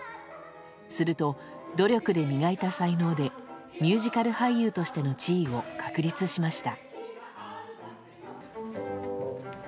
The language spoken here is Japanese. すると、努力で磨いた才能でミュージカル俳優としての地位を確立しました。